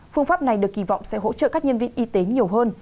phương pháp này được kỳ vọng sẽ hỗ trợ các nhân viên y tế nhiều hơn